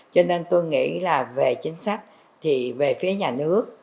cho nên tôi nghĩ là về chính sách thì về phía nhà nước